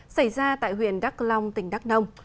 xảy ra tại huyện đắc long tỉnh đắc nông